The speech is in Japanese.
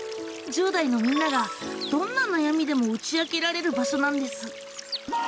１０代のみんながどんな悩みでも打ち明けられる場所なんです。